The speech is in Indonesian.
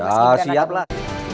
ya siap lah